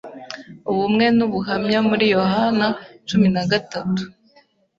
ubumwe n'ubuhamya muri Yohana cumi na gatatu